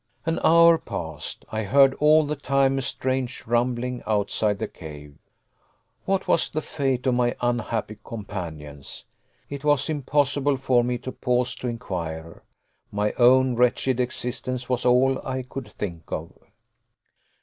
An hour passed. I heard all the time a strange rumbling outside the cave. What was the fate of my unhappy companions? It was impossible for me to pause to inquire. My own wretched existence was all I could think of.